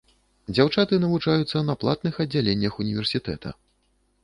Дзяўчаты навучаюцца на платных аддзяленнях універсітэта.